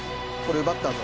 奪った後。